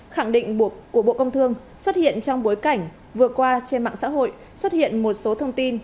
khẳng định của bộ công thương xuất hiện trong bối cảnh vừa qua trên mạng xã hội xuất hiện một số thông tin